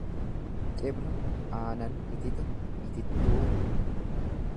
Cibra aanan itite, itittuu.